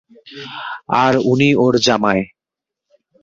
আর উনি ওর জামাই।